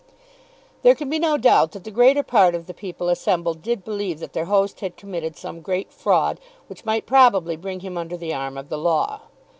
There can be no doubt that the greater part of the people assembled did believe that their host had committed some great fraud which might probably bring him under the arm of the law.